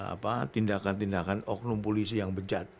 apa tindakan tindakan oknum polisi yang bejat